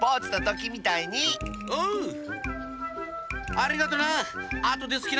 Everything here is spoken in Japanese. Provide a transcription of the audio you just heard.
ありがとな！